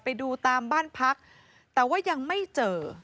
ไปดูตามบ้านพักแต่ว่ายังไม่เจอ